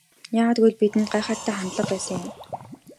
Яагаад гэвэл бидэнд гайхалтай хандлага байсан юм.